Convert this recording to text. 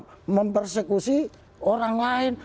untuk mempersekusi orang lain